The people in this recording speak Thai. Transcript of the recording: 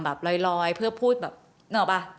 แบบล้อยเพื่อพูดแบบ